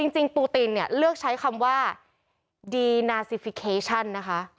จริงปูตินเนี่ยเลือกใช้คำว่าดีนาซิฟิเคชันนะคะ